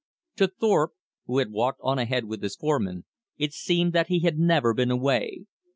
To Thorpe, who had walked on ahead with his foreman, it seemed that he had never been away.